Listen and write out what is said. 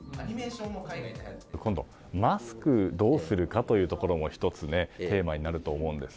今度、マスクをどうするかというところが１つテーマになると思うんです。